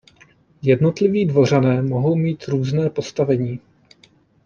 Jednotliví dvořané mohou mít různé postavení.